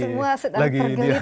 ini semua sedang pergelitik ya